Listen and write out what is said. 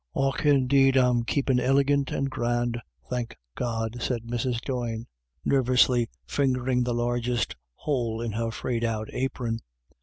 " Och, indeed I'm keepin' iligant and grand, thank God,"said Mrs, Doyne, nervously fingering the largest hole in her frayed out apron.